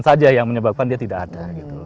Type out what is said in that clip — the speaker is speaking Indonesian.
saja yang menyebabkan dia tidak ada